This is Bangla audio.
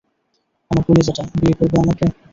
আমার কলিজাটা, বিয়ে করবে আমাকে?